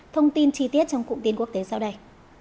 thông tin chi tiết trong cụm tin quốc tế sau đây